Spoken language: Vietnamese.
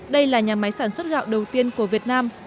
đây là nhà máy sản xuất gạo đầu tiên của việt nam